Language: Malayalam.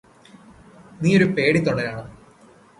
നീയൊരു പേടിത്തൊണ്ടനാണ്